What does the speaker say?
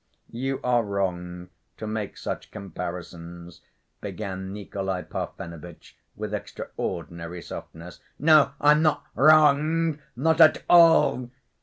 "You are wrong to make such comparisons ..." began Nikolay Parfenovitch, with extraordinary softness. "No, I'm not wrong, not at all!"